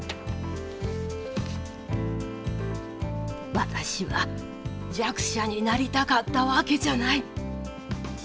私は弱者になりたかったわけじゃない。